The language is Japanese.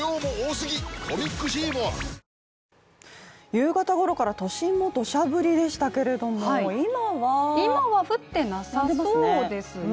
夕方ごろから都心もどしゃ降りでしたけれども今は降ってなさそうですね。